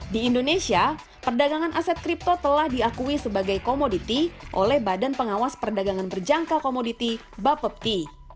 di indonesia perdagangan aset kripto telah diakui sebagai komoditi oleh badan pengawas perdagangan berjangka komoditi bapepti